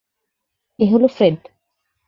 এ হলো ফ্রেড।